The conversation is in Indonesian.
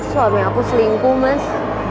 suami aku selingkuh mas